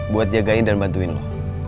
buat jagain dan bantuin lo